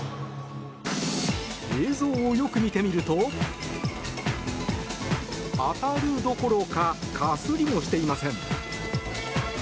映像をよく見てみると当たるどころかかすりもしていません。